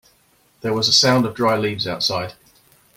There was a sound of dry leaves outside.